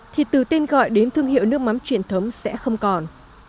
thì từ tên gọi đến thương hiệu nước mắm truyền thống sẽ không còn